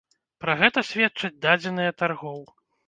Пра гэта сведчаць дадзеныя таргоў.